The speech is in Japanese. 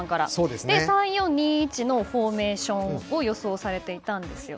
３−４−２−１のフォーメーションを予想されていたんですよ。